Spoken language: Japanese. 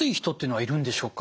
はい。